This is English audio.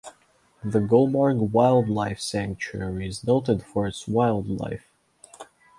The Gulmarg Wildlife Sanctuary is noted for its wildlife.